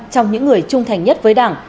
trong những người trung thành nhất với đảng